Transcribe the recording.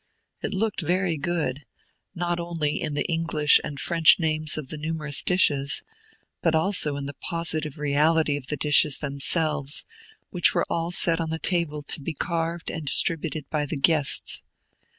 It looked very good, not only in the English and French names of the numerous dishes, but also in the positive reality of the dishes themselves, which were all set on the table to be carved and distributed by the guests.